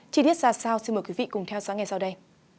chỉ biết ra sao xin mời quý vị cùng theo dõi nghe sau đây